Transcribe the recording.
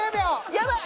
やばい！